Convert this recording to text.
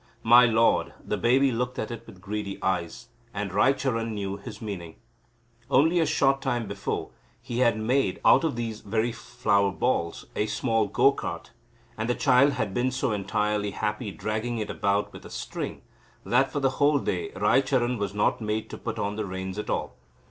My lord, the baby, looked at it with greedy eyes, and Raicharan knew his meaning. Only a short time before he had made, out of these very flower balls, a small go cart; and the child had been so entirely happy dragging it about with a string, that for the whole day Raicharan was not made to put on the reins at all.